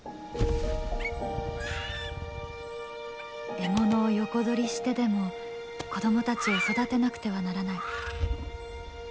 獲物を横取りしてでも子どもたちを育てなくてはならない。